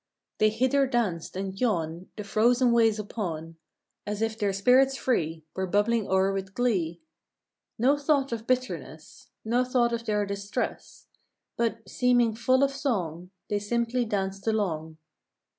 They hither danced and yon The frozen ways upon, As if their spirits free Were bubbling o er with glee. No thought of bitterness, No thought of their distress, But, seeming full of song, They simply danced along.